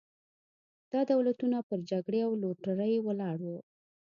دا دولتونه پر جګړې او لوټرۍ ولاړ وو.